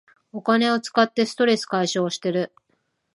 お金を使ってストレス解消してる